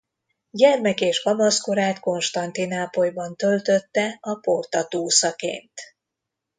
Gyermek- és kamaszkorát Konstantinápolyban töltötte a Porta túszaként.